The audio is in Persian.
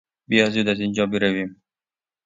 بیا زود از اینجا برویم.